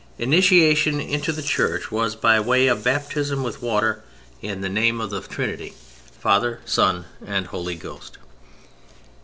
Initiation into the Church was by way of baptism with water in the name of The Trinity; Father, Son and Holy Ghost.